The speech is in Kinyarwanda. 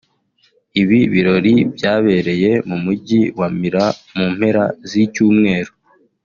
Ibi birori byabereye mu mujyi wa Milan mu mpera z’icyumweru